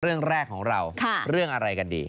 เรื่องแรกของเราเรื่องอะไรกันดี